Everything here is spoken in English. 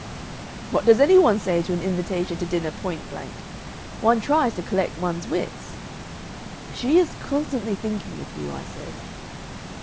"What does any one say to an invitation to dinner point blank? One tries to collect one's wits. 'She is constantly thinking of you,' I said."